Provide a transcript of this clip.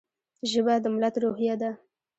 ژبه د ملت روحیه ده.